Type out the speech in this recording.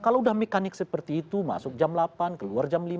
kalau udah mekanik seperti itu masuk jam delapan keluar jam lima